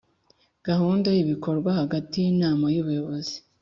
gahunda y ibikorwa hagati y Inama y Ubuyobozi